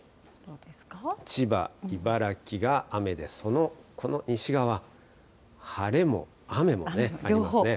千葉、茨城が雨で、この西側、晴れも雨もありますね。